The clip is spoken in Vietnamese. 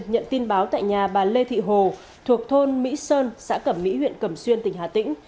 nhận tin báo tại nhà bà lê thị hồ thuộc thôn mỹ sơn xã cẩm mỹ huyện cẩm xuyên tỉnh hà tĩnh